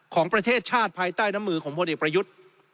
ของประเทศชาติภายใต้น้ำมือของพลเอกประยุทธ์